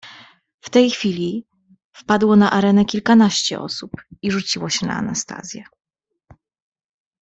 "W tej chwili wpadło na arenę kilkanaście osób i rzuciło się na Anastazję."